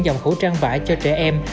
dòng khẩu trang vải cho trẻ em